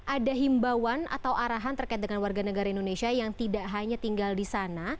ada himbauan atau arahan terkait dengan warga negara indonesia yang tidak hanya tinggal di sana